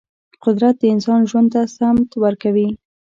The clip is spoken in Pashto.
قدرت د انسان ژوند ته سمت ورکوي.